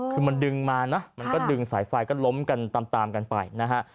คือมันดึงมานะมันก็ดึงสายไฟก็ล้มกันตามกันไปนะฮะ